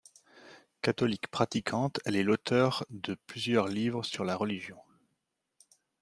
Catholique pratiquante, elle est l'auteure de plusieurs livres sur la religion.